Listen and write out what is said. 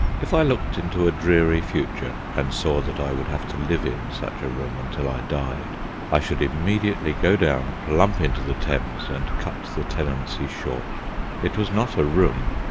If I looked into a dreary future and saw that I would have to live in such a room until I died, I should immediately go down, plump into the Thames, and cut the tenancy short. It was not a room.